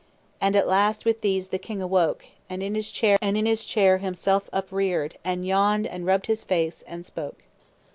"And last with these the king awoke, And in his chair himself upreared, And yawned, and rubbed his face, and spoke."